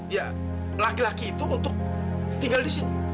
ya laki laki itu untuk tinggal di sini